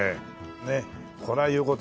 ねっこれは言う事ない。